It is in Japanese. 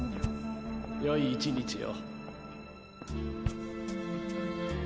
良い一日を。